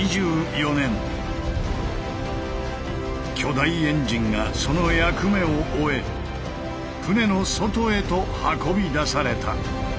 巨大エンジンがその役目を終え船の外へと運び出された。